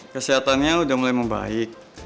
kesehatannya udah mulai membaik